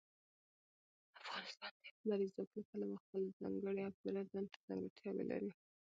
افغانستان د لمریز ځواک له پلوه خپله ځانګړې او پوره ځانته ځانګړتیاوې لري.